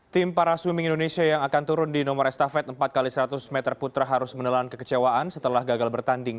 tim para swimming indonesia yang akan turun di nomor estafet empat x seratus meter putra harus menelan kekecewaan setelah gagal bertanding